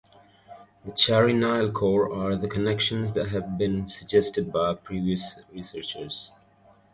The Chari-Nile core are the connections that had been suggested by previous researchers.